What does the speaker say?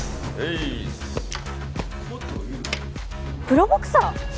プロボクサー！？